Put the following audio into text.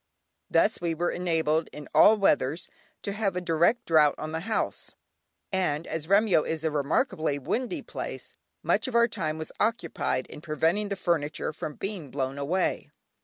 Thus we were enabled in all weathers to have a direct draught through the house, and as Remyo is a remarkably windy place, much of our time was occupied in preventing the furniture from being blown away.